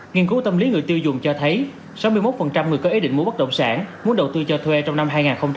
nghiên cứu tâm lý người tiêu dùng cho thấy sáu mươi một người có ý định mua bất động sản muốn đầu tư cho thuê trong năm hai nghìn hai mươi